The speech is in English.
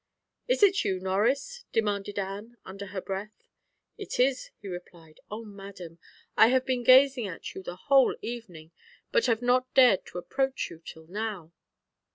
"Is it you, Norris?" demanded Anne, under her breath. "It is," he replied. "Oh, madam! I have been gazing at you the whole evening, but have not dared to approach you till now."